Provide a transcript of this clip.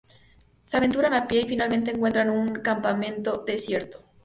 Se aventuran a pie y, finalmente encuentran un campamento desierto.